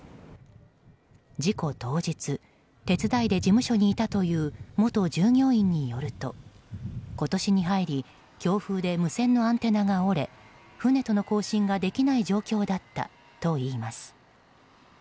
事故当日手伝いで事務所にいたという元従業員によると今年に入り、強風で無線のアンテナが折れ船との交信ができない状況だったといいます。